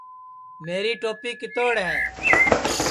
میری توپی کِتوڑ ہے